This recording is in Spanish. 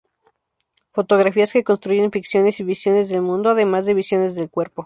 Fotografías que construyen ficciones y visiones del mundo además de visiones del cuerpo.